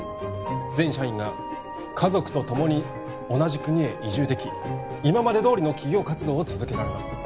全社員が家族と共に同じ国へ移住でき今までどおりの企業活動を続けられます